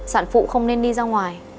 sản phụ không nên đi ra ngoài